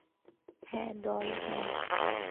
হ্যাঁ, দল, হ্যাঁ।